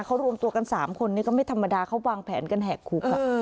เขารวมตัวกัน๓คนนี้ก็ไม่ธรรมดาเขาวางแผนกันแหกคุก